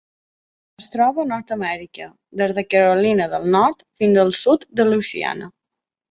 Es troba a Nord-amèrica: des de Carolina del Nord fins al sud de Louisiana.